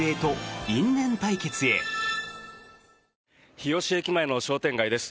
日吉駅前の商店街です。